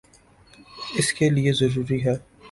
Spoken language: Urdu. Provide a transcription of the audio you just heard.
اس کے لئیے ضروری ہے